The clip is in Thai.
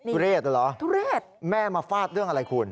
ทุเรศเหรอทุเรศแม่มาฟาดเรื่องอะไรคุณ